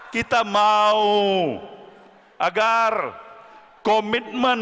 kita mau agar komitmen